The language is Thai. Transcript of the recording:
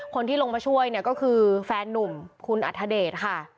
คนที่ลงมาช่วยเนี่ยก็คือแฟนนุ่มคุณอัธเดชค่ะ